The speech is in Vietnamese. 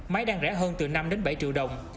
máy đang rẻ hơn từ năm đến bảy triệu đồng